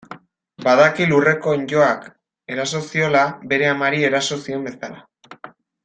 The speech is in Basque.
Badaki lurreko onddoak eraso ziola, bere amari eraso zion bezala.